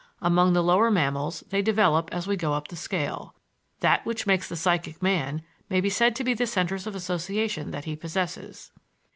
Among the lower mammals they develop as we go up the scale: "That which makes the psychic man may be said to be the centers of association that he possesses."